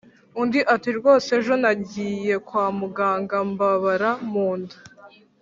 undi ati: “rwose ejo nagiye kwa muganga mbabara mu nda,